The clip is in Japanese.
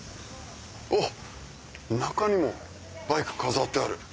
おっ中にもバイク飾ってある。